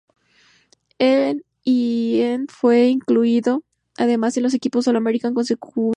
En y en fue incluido además en los equipos All-America consensuados.